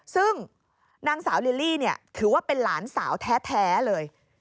ซึ่งนางสาวลิลลี่ถือว่าเป็นหลานสาวแท้เลย